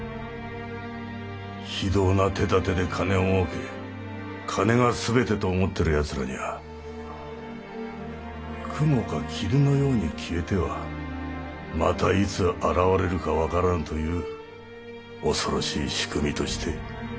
非道な手だてで金を儲け金が全てと思ってる奴らには雲か霧のように消えてはまたいつ現れるか分からんという恐ろしい存在として。